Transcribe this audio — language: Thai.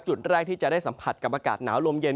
จุดแรกที่จะได้สัมผัสกับอากาศหนาวลมเย็น